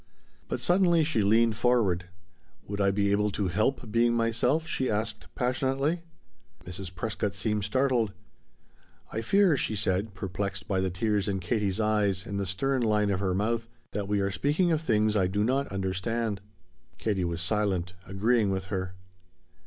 But suddenly she leaned forward. "Would I be able to help being myself?" she asked passionately. Mrs. Prescott seemed startled. "I fear," she said, perplexed by the tears in Katie's eyes and the stern line of her mouth, "that we are speaking of things I do not understand." Katie was silent, agreeing with her.